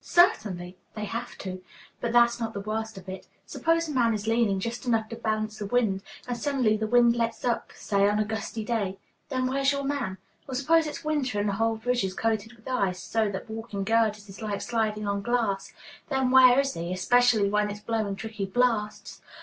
"Certainly; they have to. But that's not the worst of it. Suppose a man is leaning just enough to balance the wind, and suddenly the wind lets up, say on a gusty day. Then where's your man? Or suppose it's winter and the whole bridge is coated with ice, so that walking girders is like sliding on glass. Then where is he, especially when it's blowing tricky blasts?